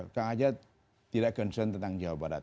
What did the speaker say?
kang ajat tidak concern tentang jawa barat